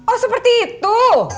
oh seperti itu